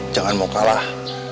jangan mau kalah